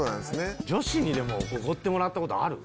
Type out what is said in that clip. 女子におごってもらったことある？